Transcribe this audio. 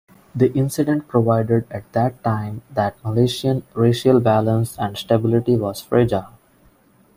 The incident proved at that time that Malaysian racial balance and stability was fragile.